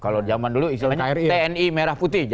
kalau zaman dulu istilahnya tni merah putih